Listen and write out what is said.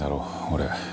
俺。